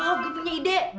oh gue punya ide